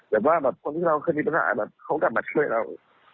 แบบว่าแบบคนที่เราเคยมีปัญหาแบบเขากลับมาช่วยเรา